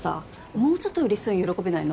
もうちょっと嬉しそうに喜べないの？